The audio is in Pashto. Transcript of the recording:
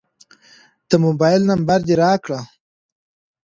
د موبایل نمبر دې راکړه.